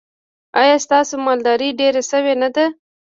ایا ستاسو مالداري ډیره شوې نه ده؟